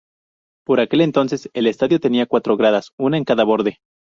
Por aquel entonces el estadio tenía cuatro gradas, una en cada borde.